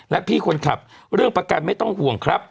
และพี่คนขับเรื่องประกันไม่ต้องห่วงครับ